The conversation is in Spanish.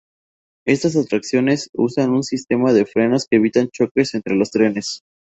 Esas atracciones usan un sistema de frenos que evita choques entre los trenes.